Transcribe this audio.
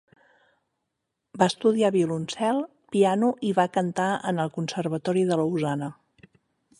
Va estudiar violoncel, piano i va cantar en el conservatori de Lausana.